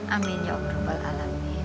amin ya allah